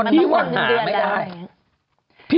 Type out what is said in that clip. พี่ว่าหาไม่ได้